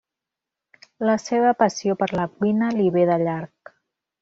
La seva passió per la cuina li ve de llarg.